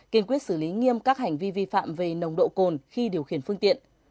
kiên quyết xử lý nghiêm các hành vi vi phạm về nồng độ cồn khi điều khiển phương tiện